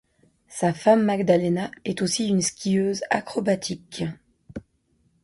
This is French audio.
Sa femme Magdalena est aussi une skieuse acrobatique.